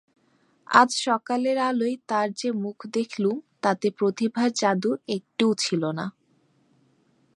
আজ সকালের আলোয় তার যে মুখ দেখলুম তাতে প্রতিভার জাদু একটুও ছিল না।